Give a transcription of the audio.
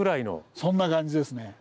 そんな感じですね。